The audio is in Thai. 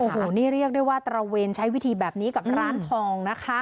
โอ้โหนี่เรียกได้ว่าตระเวนใช้วิธีแบบนี้กับร้านทองนะคะ